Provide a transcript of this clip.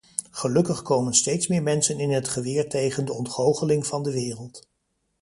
Gelukkig komen steeds meer mensen in het geweer tegen de ontgoocheling van de wereld.